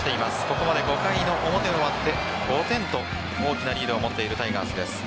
ここまで５回の表終わって５点と大きなリードを持っているタイガースです。